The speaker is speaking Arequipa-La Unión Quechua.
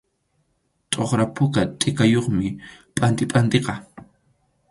Tʼuqra puka tʼikayuqmi pantipantiqa.